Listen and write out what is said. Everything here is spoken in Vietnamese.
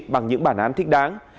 bằng những bản án thích đáng